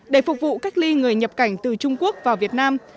để phục vụ cách ly người nhập cảnh từ trung quốc vào việt nam